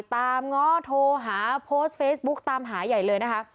ง้อโทรหาโพสต์เฟซบุ๊กตามหาใหญ่เลยนะคะ